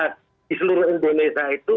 di seluruh indonesia itu